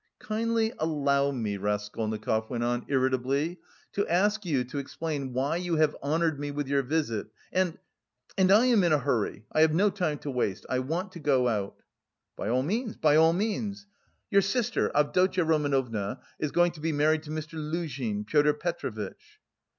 "Kindly allow me," Raskolnikov went on irritably, "to ask you to explain why you have honoured me with your visit... and... and I am in a hurry, I have no time to waste. I want to go out." "By all means, by all means. Your sister, Avdotya Romanovna, is going to be married to Mr. Luzhin, Pyotr Petrovitch?"